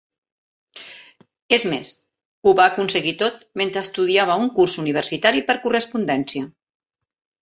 És més, ho va aconseguir tot mentre estudiava un curs universitari per correspondència.